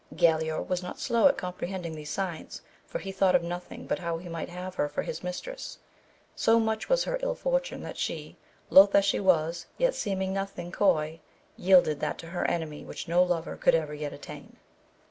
Galaor was not slow at comprehending these signs, for he thought of nothing but how he might have her for his mistress ; so such was her ill fortune that she, loth as she was, yet seeming nothing coy, yielded that to her enemy which no lover could ever yet attain.